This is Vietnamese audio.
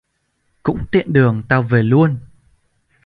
cũng tiện đường tao về luôn